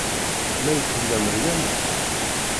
May tella Meryama?